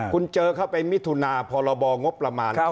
คุณเจอเข้าไปมิทุณาพลงรล